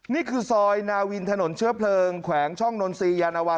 นี่คือซอยนาวินถนนเชื้อเพลิงแขวงช่องนนทรียานวา